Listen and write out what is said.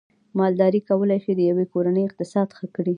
مالداري کولای شي د یوې کورنۍ اقتصاد ښه کړي